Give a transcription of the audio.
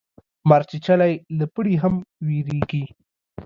مار چیچلی له پړي هم ویریږي